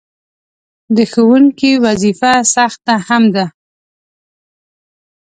د ښوونکي وظیفه سخته هم ده.